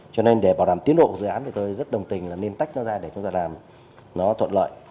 cho nên để bảo đảm tiến độ dự án thì tôi rất đồng tình là nên tách nó ra để chúng ta làm nó thuận lợi